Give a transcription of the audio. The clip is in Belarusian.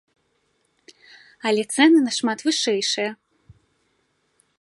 Але цэны нашмат вышэйшыя!